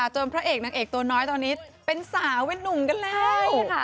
พระเอกนางเอกตัวน้อยตอนนี้เป็นสาวเป็นนุ่มกันแล้ว